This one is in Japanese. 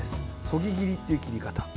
そぎ切りという切り方。